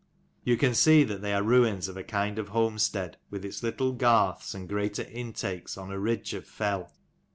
You can see that they are ruins of a kind of homestead, with its little garths, and greater intakes on a ridge of fell.